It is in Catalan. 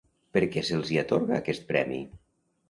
Per què se'ls hi atorga aquest premi?